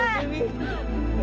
tolong aku kek